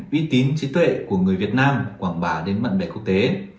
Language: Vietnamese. bí tín trí tuệ của người việt nam quảng bá đến mạng đại quốc tế